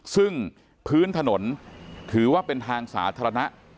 ซึ่งพื้นถนนถือว่าเป็นทางสาธารณะ